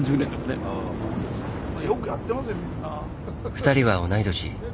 ２人は同い年。